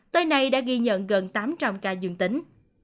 tới nay đã ghi nhận gần tám trăm linh ca dương tính